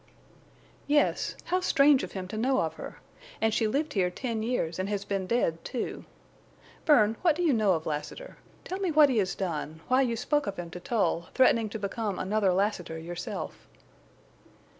"Yes. How strange of him to know of her! And she lived here ten years and has been dead two. Bern, what do you know of Lassiter? Tell me what he has done—why you spoke of him to Tull—threatening to become another Lassiter yourself?"